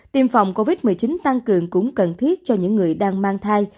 tiêm phòng covid một mươi chín tăng cường cũng cần thiết cho những người đang mang thai